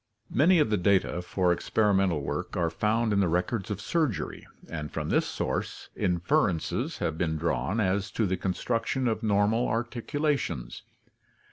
— Many of the data for experimental work are found in the records of surgery, and from this source inferences have been drawn as to the construction of normal ar ticulations.